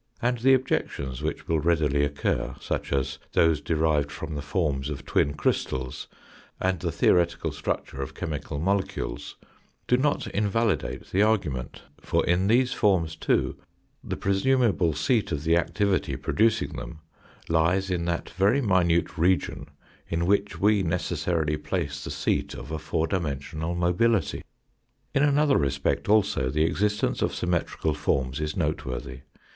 And the objections which will readily occur, such as those derived from the forms of twin crystals and the theoretical structure of chemical molecules, do not in validate the argument ; for in these forms too the presumable seat of the activity producing them lies in that very minute region in which we necessarily place the seat of a four dimensional mobility. In another respect also the existence of symmetrical forms is noteworthy.